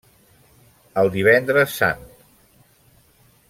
El Divendres Sant.